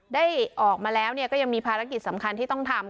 ได้ออกมาแล้วก็ยังมีภารกิจสำคัญที่ต้องทำ